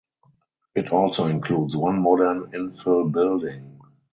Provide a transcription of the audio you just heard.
It also includes one modern infill building.